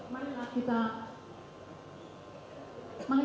mari kita menjadi hero untuk bangsa ini